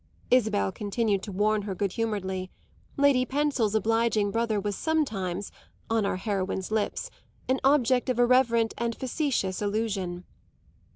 Isabel continued to warn her good humouredly; Lady Pensil's obliging brother was sometimes, on our heroine's lips, an object of irreverent and facetious allusion.